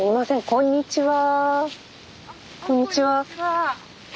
こんにちは。